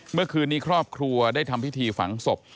เมื่อคืนนี้ครอบครัวได้ทำพิธีฝังศพ